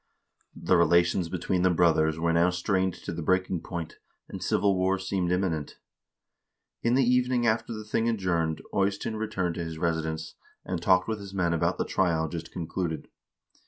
The relations between the brothers were now strained to the breaking point, and civil war seemed imminent. In the evening after the thing adjourned Eystein returned to his residence, and talked with his men about the trial just concluded.